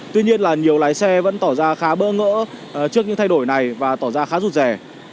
tuy nhiên là nhiều lái xe vẫn tỏ ra khá bỡ ngỡ trước những thay đổi này và tỏ ra khá rụt rè